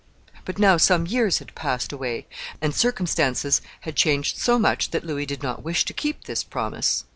But now some years had passed away, and circumstances had changed so much that Louis did not wish to keep this promise.